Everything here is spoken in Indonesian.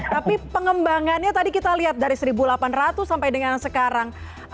tapi pengembangannya tadi kita lihat dari seribu delapan ratus sampai dengan sekarang